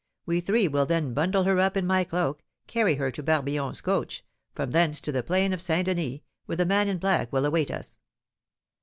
We three will then bundle her up in my cloak, carry her to Barbillon's coach, from thence to the plain of St. Denis, where the man in black will await us."